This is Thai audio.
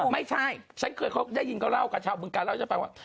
ไม่ใช่ฉันเคยเขาได้ยินเขาเล่ากับชาวบึงการเล่าให้ฉันฟังว่า